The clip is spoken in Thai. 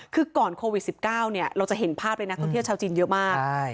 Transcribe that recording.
คือก่อนโควิด๑๙เราจะเห็นภาพเลยนักท่องเที่ยวชาวจีนเยอะมาก